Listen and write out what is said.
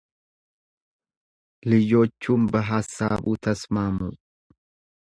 ልጆቹም በሃሳቡ ተስማሙ፡፡